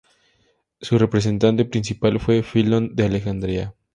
Su representante principal fue Filón de Alejandría.